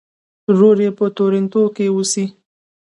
ورور یې په ټورنټو کې اوسي.